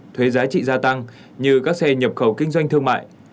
thuế giá trị gia tăng như các xe nhập khẩu kinh doanh thương mại